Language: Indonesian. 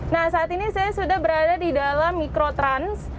nah saat ini saya sudah berada di dalam mikrotrans